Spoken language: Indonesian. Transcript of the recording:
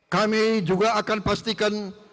kami juga akan pastikan